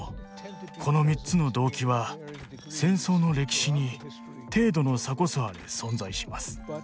この３つの動機は戦争の歴史に程度の差こそあれ存在します。